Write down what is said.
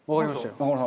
中丸さん